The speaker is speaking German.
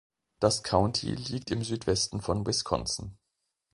Das County liegt im Südwesten von Wisconsin.